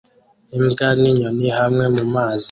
Imbwa ninyoni hamwe mumazi